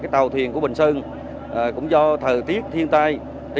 tàu thuyền của bình sơn cũng do thời tiết thiên tai